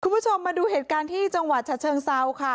คุณผู้ชมมาดูเหตุการณ์ที่จังหวัดฉะเชิงเซาค่ะ